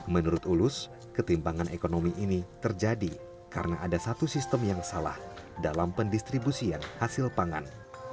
menurut ulus ketimbangan ekonomi ini terjadi karena ada satu sistem yang salah dalam pendistribusian hasil pangan